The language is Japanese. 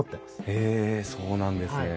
へえそうなんですね。